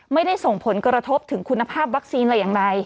ไม่ได้ส่งผลกระทบถึงคุณภาพวัคซีนอะไรอย่างใด